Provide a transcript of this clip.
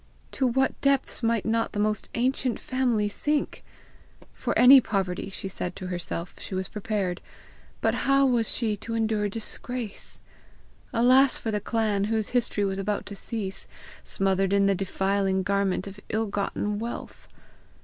To what depths might not the most ancient family sink! For any poverty, she said to herself, she was prepared but how was she to endure disgrace! Alas for the clan, whose history was about to cease smothered in the defiling garment of ill gotten wealth!